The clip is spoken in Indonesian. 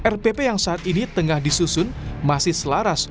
rpp yang saat ini tengah disusun masih selaras